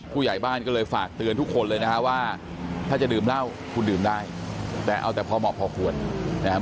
ผู้ใหญ่บ้านก็เลยฝากเตือนทุกคนเลยนะฮะว่าถ้าจะดื่มเหล้าคุณดื่มได้แต่เอาแต่พอเหมาะพอควรนะครับ